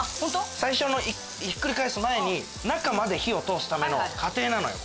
最初のひっくり返す前に中まで火を通すための過程なのよ